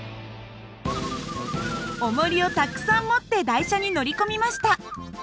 おもりをたくさん持って台車に乗り込みました。